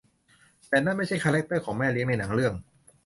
แต่นั่นไม่ใช่คาแรคเตอร์ของแม่เลี้ยงในหนังเรื่อง